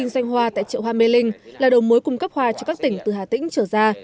xanh hoa tại chậu hòa mê linh là đầu mối cung cấp hoa cho các tỉnh từ hà tĩnh trở ra